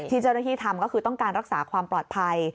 เจ้าหน้าที่ทำก็คือต้องการรักษาความปลอดภัย